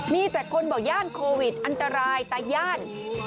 มีแต่คนบอกย่านโควิดอันตรายตาย่าน